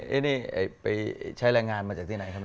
นี่ไปใช้แรงงานมาจากที่ไหนครับ